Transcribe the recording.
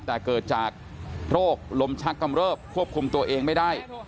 แต่เกิดจากโรคลมชักกำเริบควบคุมตัวเองไม่ได้